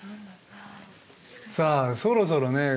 さあそろそろね